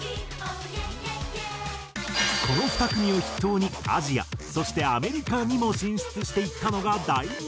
この２組を筆頭にアジアそしてアメリカにも進出していったのが第２世代。